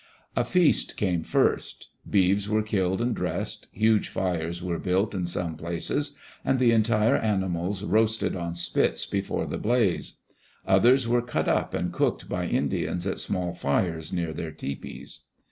A feast came first. Beeves were killed and dressed. Huge fires were built in some places, and the entire ani mals roasted on spits before the blaze. Others were cut up, and cooked by Indians at small fires near their tepees.